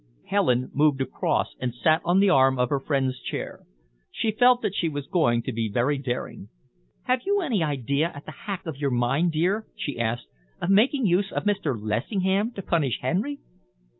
Helen moved across and sat on the arm of her friend's chair. She felt that she was going to be very daring. "Have you any idea at the back of your mind, dear," she asked "of making use of Mr. Lessingham to punish Henry?"